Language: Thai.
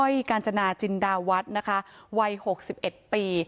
กาญจนาจินดาวัฒน์นะคะวัย๖๑ปี